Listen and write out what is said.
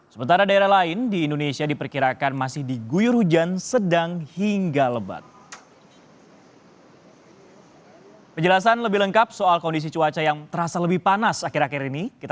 sementara daerah lain di indonesia diperkirakan masih diguyur hujan sedang hingga lebat